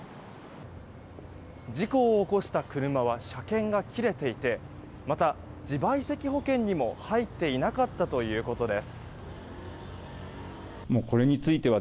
事故を起こした車は車検が切れていてまた自賠責保険にも入っていなかったということです。